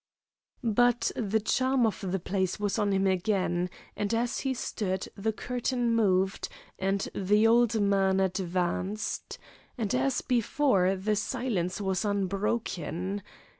But the charm of the place was on him again, and as he stood the curtain moved, and the old man advanced; and as before, the silence was unbroken.